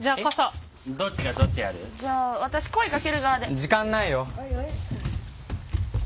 時間ないよ。